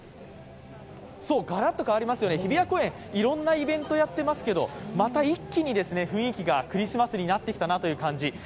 ガラッと変わりますよね、日比谷公園いろんなイベントやってますけれども、また一気に雰囲気がクリスマスになってきたなという感じ。